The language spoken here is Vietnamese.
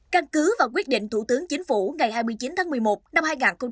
căn cứ và quyết định thủ tướng chính phủ ngày hai mươi chín tháng một mươi một năm hai nghìn hai mươi